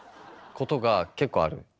ことが結構ある。